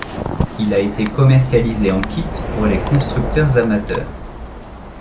Il a été commercialisé en kit pour les constructeurs amateurs.